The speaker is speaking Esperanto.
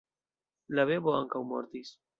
La bebo ankaŭ mortis.